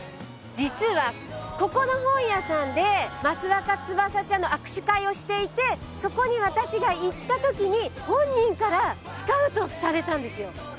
実はここの本屋さんで益若つばさちゃんの握手会をしていてそこに私が行ったときに本人からスカウトされたんですよ。